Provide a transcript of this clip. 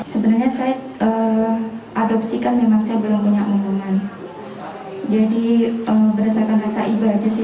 sebenarnya saya adopsikan memang saya belum punya lingkungan jadi berdasarkan rasa ibadah sih